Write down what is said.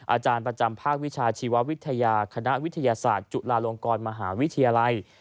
อาจารย์ประจำภาควิชาชีววิทยาคณะวิทยาศาสตร์จุฬาลงกรมหาวิทยาลัย